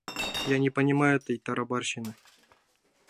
«Я не понимаю этой тарабарщины...»